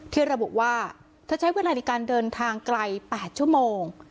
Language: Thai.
ที่ระบุว่าเธอใช้เวลาในการเดินทางไกล๘ชั่วโมง